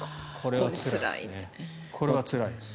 これはつらいですね。